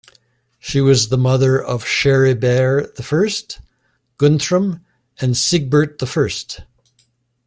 She was the mother of Charibert the First, Guntram, and Sigebert the First.